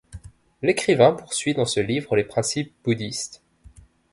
L'écrivain poursuit dans ce livre les principes bouddhistes.